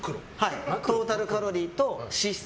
トータルカロリーと脂質。